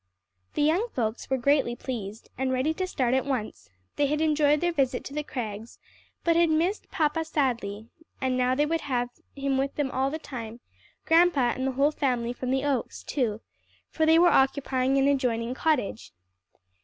The young folks were greatly pleased, and ready to start at once; they had enjoyed their visit to the Crags, but had missed papa sadly, and now they would have him with them all the time, grandpa and the whole family from the Oaks, too; for they were occupying an adjoining cottage.